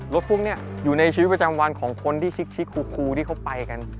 พวกนี้อยู่ในชีวิตประจำวันของคนที่ชิกครูที่เขาไปกัน